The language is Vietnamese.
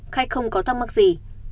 không có thắc mắc gì